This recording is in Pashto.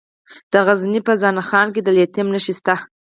د غزني په زنه خان کې د لیتیم نښې شته.